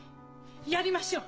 やりましょう！